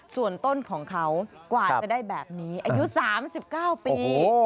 ส่วนต้นของเขากว่าจะได้แบบนี้อายุ๓๙ปี